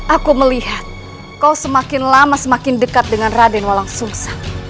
aku melihat kau semakin lama semakin dekat dengan raden walang sungsa